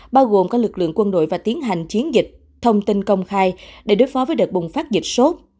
bao gồm các lực lượng quân đội và tiến hành chiến dịch thông tin công khai để đối phó với đợt bùng phát dịch sốt